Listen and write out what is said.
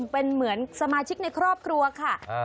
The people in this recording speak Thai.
เป็นเหมือนสมาชิกในครอบครัวค่ะ